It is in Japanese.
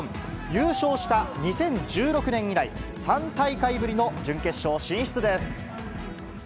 優勝した２０１６年以来、３大会ぶりの準決勝進出です。